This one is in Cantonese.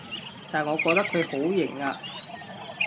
但我覺得佢好型啊